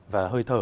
và hơi thở